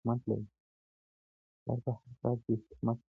خدای په هر کار کي حکمت لري.